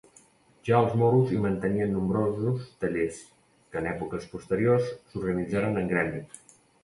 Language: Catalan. Ja els moros hi mantenien nombrosos tallers, que en èpoques posteriors s'organitzaren en gremi.